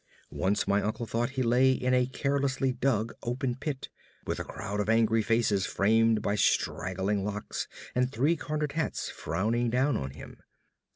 Once my uncle thought he lay in a carelessly dug open pit, with a crowd of angry faces framed by straggling locks and three cornered hats frowning down on him.